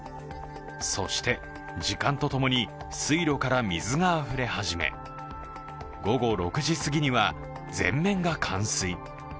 そして時間とともに水路から水があふれ始め午後６時過ぎには、全面が冠水。